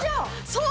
そう。